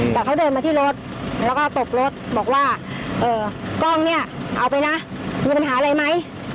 แต่เขาเดินมาที่รถแล้วก็ตบรถบอกว่ากล้องเนี่ยเอาไปนะมีปัญหาอะไรไหม